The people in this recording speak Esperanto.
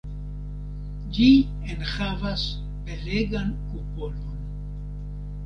Ĝi enhavas belegan kupolon.